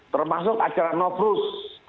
termasuk acara novrus